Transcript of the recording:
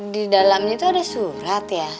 di dalamnya itu ada surat ya